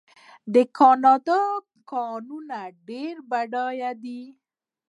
د کاناډا کانونه ډیر بډایه دي.